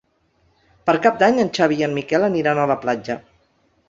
Per Cap d'Any en Xavi i en Miquel aniran a la platja.